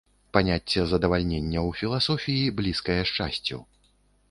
Паняцце задавальнення ў філасофіі блізкае шчасцю.